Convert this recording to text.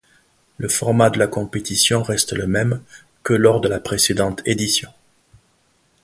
Le format de la compétition reste le même que lors de la précédente édition.